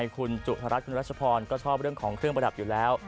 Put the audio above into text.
คุณจุธรัฐคุณรัชพรก็ชอบเรื่องของเครื่องประดับอยู่แล้ว